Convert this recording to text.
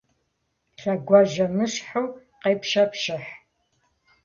Лъэгуажьэмыщхьэу къепщэпщыхь.